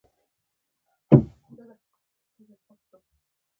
د یوکالیپټوس پاڼې د زکام لپاره وکاروئ